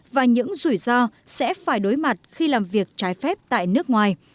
và những rủi ro sẽ phải đối mặt khi làm việc trái phép tại nước ngoài